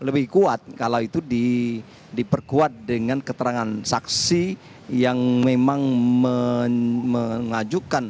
lebih kuat kalau itu diperkuat dengan keterangan saksi yang memang mengajukan